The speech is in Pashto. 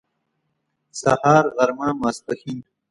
سهار غرمه ماسپښين